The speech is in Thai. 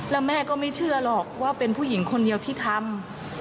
แล้วแม่ก็ไม่เชื่อหรอกว่าเป็นผู้หญิงคนเดียวที่ทำ